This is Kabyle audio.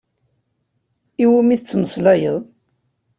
Iwumi tettmeslayeḍ?